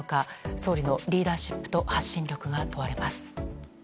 総理のリーダーシップと発信力が問われます。